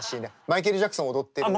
マイケル・ジャクソン踊ってる。